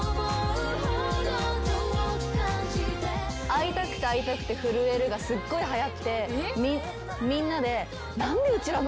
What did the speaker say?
「会いたくて会いたくて震える」がすごいはやってみんなで。